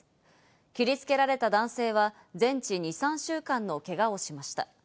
切りつけられた男性は全治２３週間のけがをしました。